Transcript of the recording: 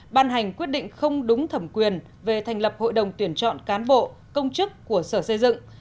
ban hành quyết định không đúng thẩm quyền về thành lập hội đồng tuyển chọn cán bộ công chức của sở xây dựng